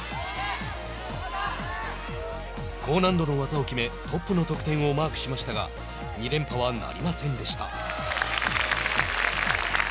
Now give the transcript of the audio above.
高難度の技を決めトップの得点をマークしましたが２連覇はなりませんでした。